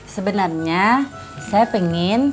sebenarnya saya pengen